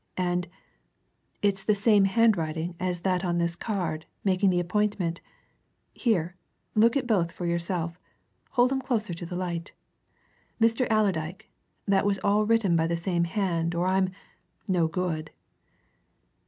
And it's the same handwriting as that on this card, making the appointment! Here, look at both for yourself hold 'em closer to the light. Mr. Allerdyke that was all written by the same hand, or I'm no good!"